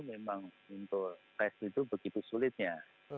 memang untuk tes itu begitu sulitnya